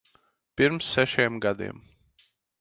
Pirms sešiem gadiem.